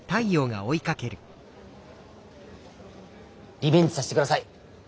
リベンジさせて下さい。